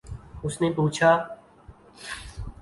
اس نے پوچھا